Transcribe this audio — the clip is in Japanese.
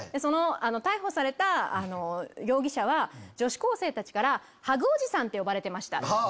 逮捕された容疑者は女子高生たちからハグおじさんって呼ばれてました。